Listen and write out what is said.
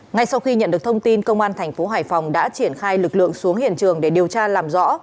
ngay sau khi nhận được thông tin công an thành phố hải phòng đã triển khai lực lượng xuống hiện trường để điều tra làm rõ